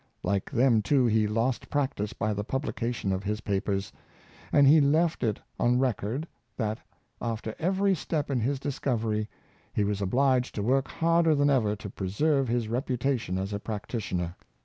Like them, too, he lost practice by the publication of his papers; and he left it on record that, after every step in his discovery, he was obliged to work harder than ever to preserve his reputation as a practitioner.